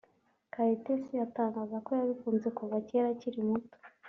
Kayitesi atangaza ko yabikunze kuva kera akiri muto